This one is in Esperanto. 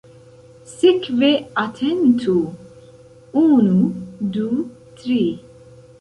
Sekve atentu: unu, du, tri!